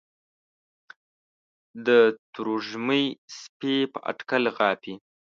د تروږمۍ سپي په اټکل غاپي